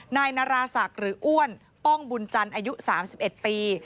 นายนาราศักดิ์หรืออ้วนป้องบุญจันทร์อายุ๓๑ปี